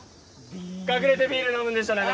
隠れてビール飲むんでしょ中山さん。